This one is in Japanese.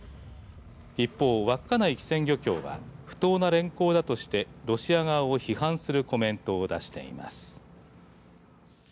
一方、稚内機船漁協は不当な連行だとしてロシア側を批判するコメントを出しています。